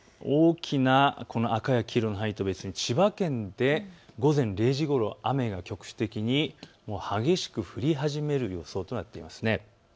赤や黄色の範囲とは別に千葉県で午前０時ごろ雨が局地的に激しく降り始める予想となっています。